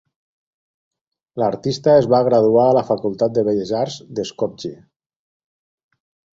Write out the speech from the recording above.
L'artista es va graduar a la Facultat de Belles Arts d'Skopje.